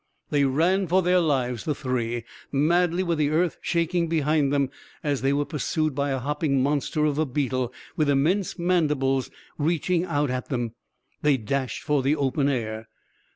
They ran for their lives, the three. Madly, with the earth shaking behind them as they were pursued by a hopping monster of a beetle with immense mandibles reaching out at them, they dashed for the open air.